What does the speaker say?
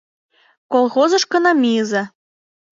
— Колхозышкына мийыза.